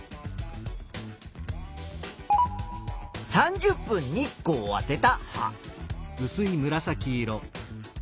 ３０分日光をあてた葉。